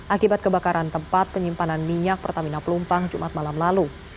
akibat kebakaran tempat penyimpanan minyak pertamina pelumpang jumat malam lalu